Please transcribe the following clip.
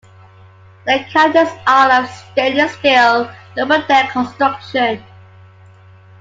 The carriages are of stainless steel, double deck construction.